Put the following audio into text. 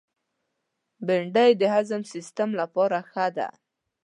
بېنډۍ د هضم سیستم لپاره ښه ده